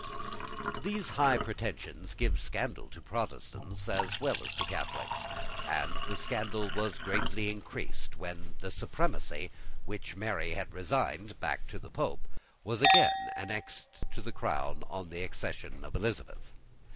These high pretensions gave scandal to Protestants as well as to Catholics; and the scandal was greatly increased when the supremacy, which Mary had resigned back to the Pope, was again annexed to the crown, on the accession of Elizabeth.